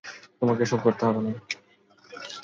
তোমাকে এইসব করতে হবে না।